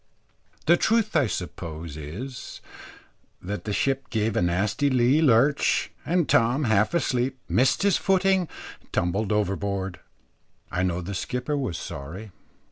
The truth, I suppose is, that the ship gave a nasty lee lurch, and Tom, half asleep, missed his footing, and tumbled overboard. I know the skipper was sorry.